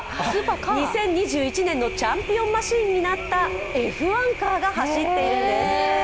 ２０２１年のチャンピオンマシンになったＦ１カーが走っているんです。